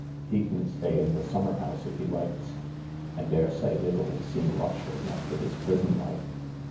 He can stay in the summer house if he likes. I daresay it'll seem luxury after his prison life."